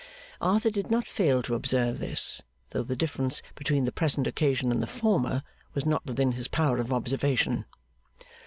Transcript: Arthur did not fail to observe this; though the difference between the present occasion and the former was not within his power of observation.